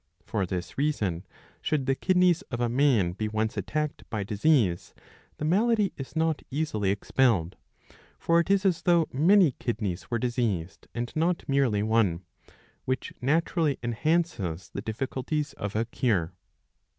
''' For this reason, should the kidneys of a man be once attacked by disease, the malady is not easily expelled. For it is as though many kidneys were diseased and not merely one ; which naturally enhances the difficulties of a cure.